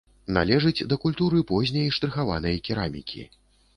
Належыць да культуры позняй штрыхаванай керамікі.